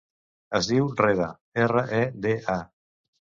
Es diu Reda: erra, e, de, a.